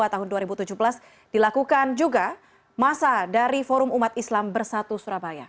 tahun dua ribu tujuh belas dilakukan juga masa dari forum umat islam bersatu surabaya